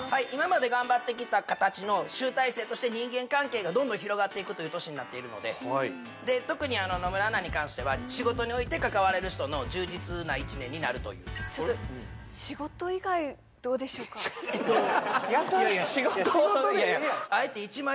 今まで頑張ってきた形の集大成として人間関係がどんどん広がっていくという年になっているので特に野村アナに関しては仕事において関われる人の充実な１年になるというちょっと何ですか？